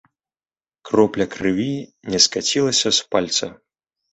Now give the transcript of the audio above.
Кропля крыві не скацілася з пальца.